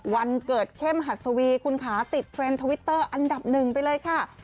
วันเกิดเข้มหัสวีคุณค่ะติดเทรนด์ทวิตเตอร์อันดับหนึ่งไปเลยค่ะ